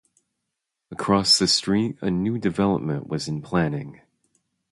Across the street a new development was in planning.